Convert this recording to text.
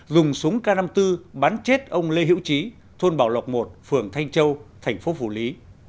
dùng súng k năm mươi bốn bắn chết ông lê hiễu trí thôn bảo lộc một phường thanh châu thành phố phủ lý